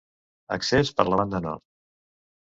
Accés per la banda nord.